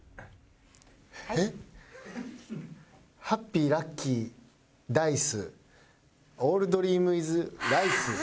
ハッピーラッキーライスオールドリームイズライス。